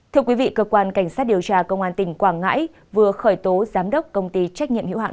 thưa quý vị cơ quan cảnh sát điều tra công an tỉnh quảng ngãi vừa khởi tố giám đốc công ty trách nhiệm hiệu hạn